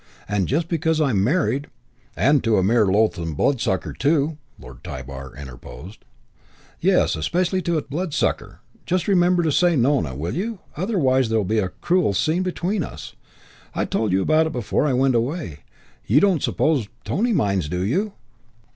And just because I'm married " "And to a mere loathsome bloodsucker, too," Lord Tybar interposed. "Yes, especially to a bloodsucker. Just remember to say Nona, will you, otherwise there'll be a cruel scene between us. I told you about it before I went away. You don't suppose Tony minds, do you?"